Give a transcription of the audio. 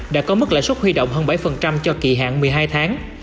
đã có mức lãi suất huy động hơn bảy cho kỳ hạn một mươi hai tháng